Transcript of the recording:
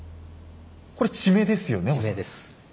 これ地名ですよね恐らく。